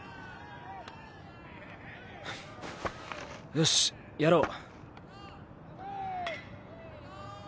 よしやろう。